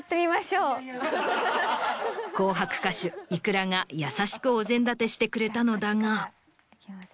『紅白』歌手ｉｋｕｒａが優しくお膳立てしてくれたのだが。